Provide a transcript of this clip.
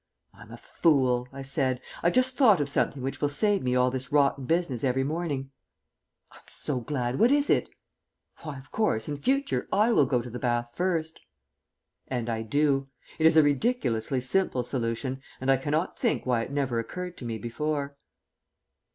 "I'm a fool," I said. "I've just thought of something which will save me all this rotten business every morning." "I'm so glad. What is it?" "Why, of course in future I will go to the bath first." And I do. It is a ridiculously simple solution, and I cannot think why it never occurred to me before.